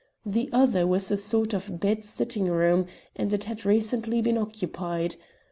The other was a sort of bed sitting room, and it had recently been occupied.